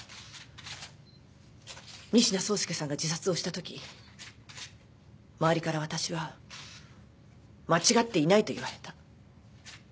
仁科壮介さんが自殺をしたとき周りから私は間違っていないと言われた。